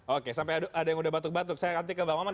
oke sampai ada yang sudah batuk batuk saya ganti ke pak maman